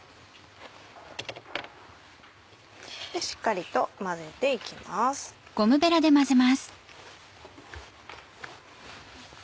しっかりと混ぜて行きます。